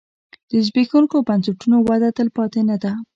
د زبېښونکو بنسټونو وده تلپاتې نه ده.